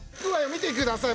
見てください。